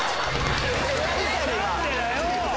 何でだよ！